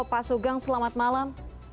pak sugang selamat malam